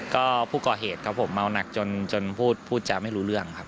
ก็ผู้ก่อเหตุครับผมเมาหนักจนพูดจาไม่รู้เรื่องครับ